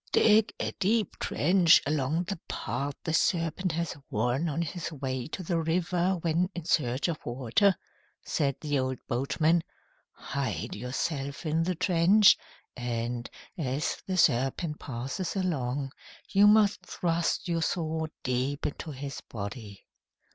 "Dig a deep trench along the path the serpent has worn on his way to the river when in search of water," said the old boatman. "Hide yourself in the trench, and, as the serpent passes along, you must thrust your sword deep into his body."